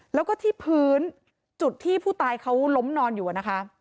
แล้วก็ที่พื้นจุดที่ผู้ตายเขาล้มนอนอยู่นะคะ